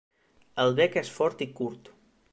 El bec és fort i curt.